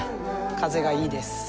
風がいいです。